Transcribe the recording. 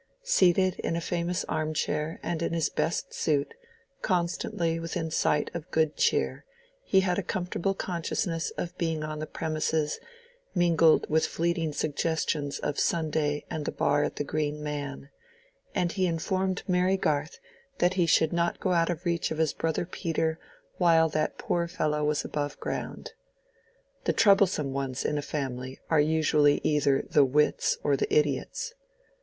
Seated in a famous arm chair and in his best suit, constantly within sight of good cheer, he had a comfortable consciousness of being on the premises, mingled with fleeting suggestions of Sunday and the bar at the Green Man; and he informed Mary Garth that he should not go out of reach of his brother Peter while that poor fellow was above ground. The troublesome ones in a family are usually either the wits or the idiots.